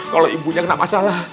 kalo ibunya kena masalah